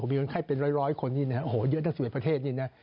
มีคนไข้เป็นร้อยคนนี่นะโอ้โหเยอะทั้ง๑๑ประเทศนี่นะ